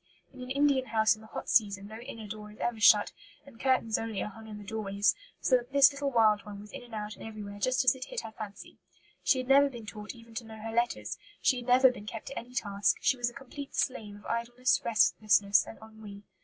In an Indian house in the hot season no inner door is ever shut, and curtains only are hung in the doorways, so that this little wild one was in and out and everywhere just as it hit her fancy. She had never been taught even to know her letters; she had never been kept to any task; she was a complete slave of idleness, restlessness, and ennui.